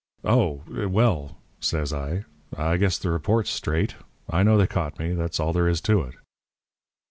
"'Oh, well,' says I, 'I guess the report's straight. I know they caught me. That's all there is to it.'